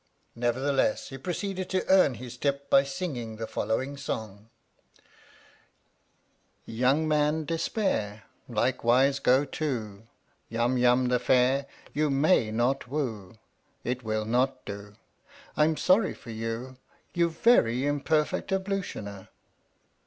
Never theless he proceeded to earn his tip by singing the following song: Young man, despair, Likewise go to, 27 THE STORY OF THE MIKADO Yum Yum the fair You may not woo. It will not do, I'm sorry for you, You very imperfect ablutioner